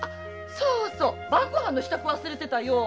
そうそう晩ご飯の支度忘れてたよ！